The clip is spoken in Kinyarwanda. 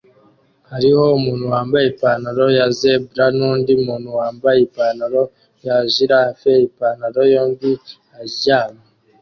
Hariho umuntu wambaye ipantaro ya zebra nundi muntu wambaye ipantaro ya giraffe ipantaro yombi aryamye